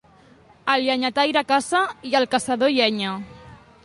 Al llenyataire, caça; i al caçador, llenya.